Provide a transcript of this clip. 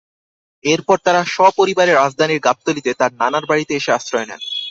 এরপর তাঁরা সপরিবারে রাজধানীর গাবতলীতে তাঁর নানার বাড়িতে এসে আশ্রয় নেন।